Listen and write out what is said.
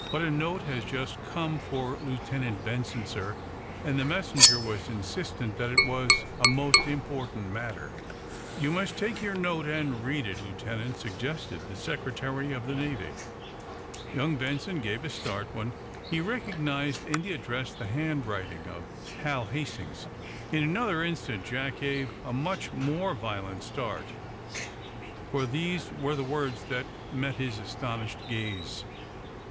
"But a note has just come for Lieutenant Benson, sir, and the messenger was insistent that it was a most important matter " "You may take your note and read it, Lieutenant," suggested the Secretary of the Navy. Young Benson gave a start when he recognized, in the address, the handwriting of Hal Hastings. In another instant Jack gave a much more violent start. For these were the words that met his astounded gaze.